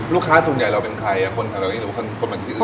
ลูกค้าสูงใหญ่เราเป็นใครอ่ะคนแถวนี้หรือคนแถวที่อื่นก็